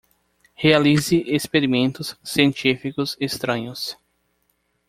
Realize experimentos científicos estranhos